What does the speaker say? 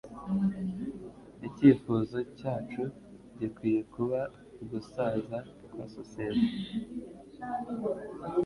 Icyifuzo cyacu gikwiye kuba ugusaza kwa societe.